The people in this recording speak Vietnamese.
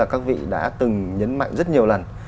các vị đã từng nhấn mạnh rất nhiều lần